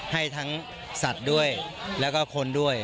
ให้ทั้งสัตว์ด้วยแล้วก็คนด้วย